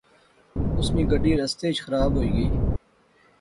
اس نی گڈی رستے اچ خراب ہوئی غئی